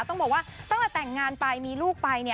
ต้องบอกว่าตั้งแต่แต่งงานไปมีลูกไป